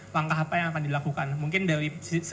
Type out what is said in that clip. langkah apa yang akan dilakukan mungkin dari sisi